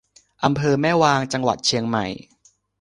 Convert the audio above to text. อำเภอแม่วาง จังหวัดเชียงใหม่